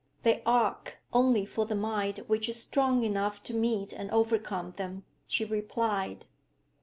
'They arc only for the mind which is strong enough to meet and overcome them,' she replied.